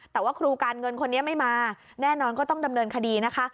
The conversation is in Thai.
แต่ว่าครูการเงินคนนี้ไม่มาแน่นอนก็ต้องดำเนินคดีนะคะ